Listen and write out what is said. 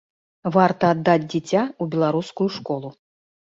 Варта аддаць дзіця ў беларускую школу.